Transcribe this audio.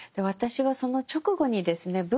私はその直後にですね